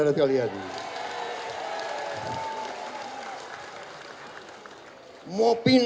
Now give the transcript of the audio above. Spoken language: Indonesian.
kalau gak terlalu keras